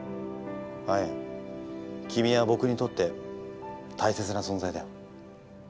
アエン君は僕にとって大切な存在だよ。